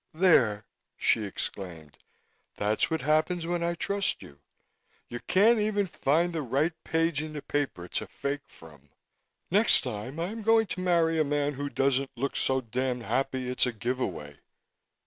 "There!" she exclaimed. "That's what happens when I trust you. You can't even find the right page in the paper to fake from. Next time I'm going to marry a man who doesn't look so damned happy it's a give away."